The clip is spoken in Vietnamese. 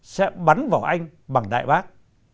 sẽ bắn vào anh bằng đại bác